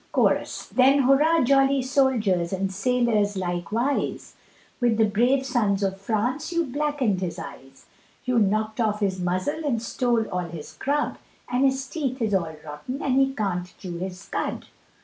CHORUS. Then hurrah jolly soldiers and sailors likewise, With the brave sons of France you blackened his eyes, You knock'd off his muzzle and stole all his grub, And his teeth is all rotten and he can't chew his cud.